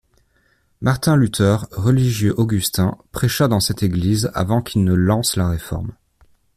Martin Luther, religieux augustin, prêcha dans cette église, avant qu'il ne lance la Réforme.